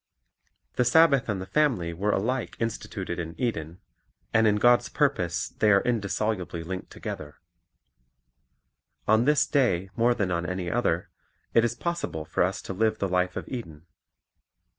The Sabbath and the family were alike instituted in The Family Eden, and in God's purpose they are indissolubly linked together. On this day more than on any other, it is possible for us to live the life of Eden.